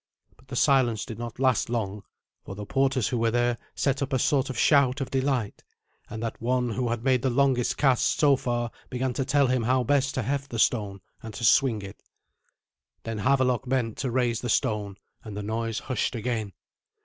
But the silence did not last long, for the porters who were there set up a sort of shout of delight, and that one who had made the longest cast so far began to tell him how best to heft the stone and swing it. Then Havelok bent to raise the stone, and the noise hushed again.